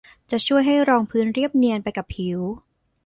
จะช่วยให้รองพื้นเรียบเนียนไปกับผิว